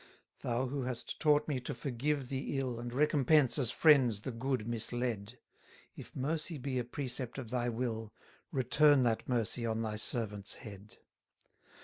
264 Thou who hast taught me to forgive the ill, And recompense, as friends, the good misled; If mercy be a precept of thy will, Return that mercy on thy servant's head.